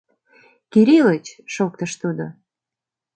— Кирилыч! — шоктыш тудо.